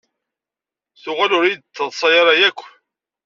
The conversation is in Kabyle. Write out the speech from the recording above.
Tuɣal ur yi-d-ttaḍṣa ara akk.